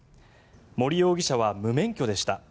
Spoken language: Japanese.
盛容疑者は無免許でした。